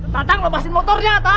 tatang lepasin motornya